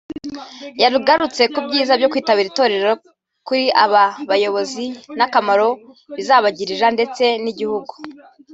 yagarutse ku byiza byo kwitabira itorero kuri aba bayobozi n’akamaro bizabagirira ndetse n’igihugu